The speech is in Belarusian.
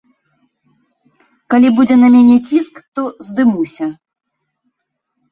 Калі будзе на мяне ціск, то здымуся.